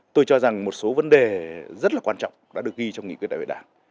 tôi cho rằng một số vấn đề rất là quan trọng đã được ghi trong nghị quyết đại hội đảng